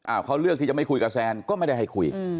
เขาเลือกที่จะไม่คุยกับแซนก็ไม่ได้ให้คุย